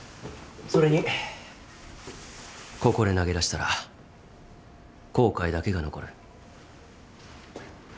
それにここで投げ出したら後悔だけが残る。